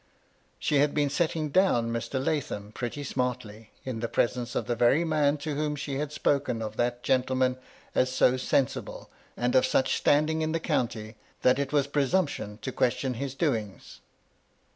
She had been setting down Mr. Lathom pretty smartly, in the presence of the very man to whom she had spoken of that gentleman as so sensible, and of such a standing in the county, that it was presumption to question his doings.